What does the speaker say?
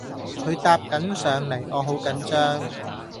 佢搭緊上嚟我好緊張